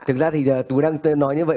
thực ra thì túi đang nói như vậy